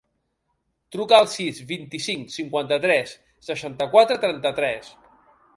Truca al sis, vint-i-cinc, cinquanta-tres, seixanta-quatre, trenta-tres.